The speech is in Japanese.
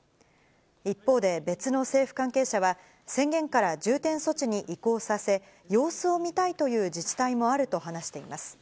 一方で、別の政府関係者は、宣言から重点措置に移行させ、様子を見たいという自治体もあると話しています。